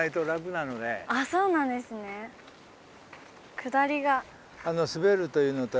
下りが。